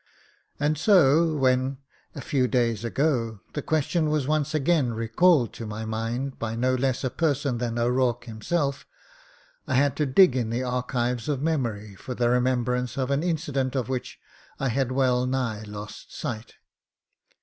And so when, a few days ago, the question was once again recalled to my mind by no less a person than O'Rourke him self, I had to dig in the archives of memory for the remembrance of an incident of which I had well nigh lost sight.